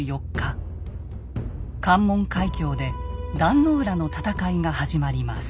関門海峡で壇の浦の戦いが始まります。